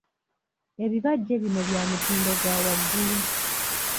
Ebibajje bino bya mutindo gwa waggulu.